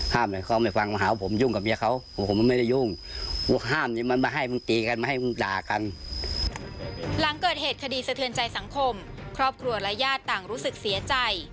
หลังเกิดเหตุคดีสะเทือนใจสังคมครอบครัวและญาติต่างรู้สึกเสียใจ